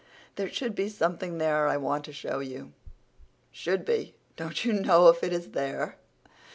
There should be something there I want to show you." "Should be! Don't you know if it is there?"